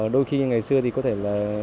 đôi khi ngày xưa thì có thể là